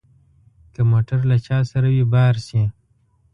که موټر له چا سره وي بار شي.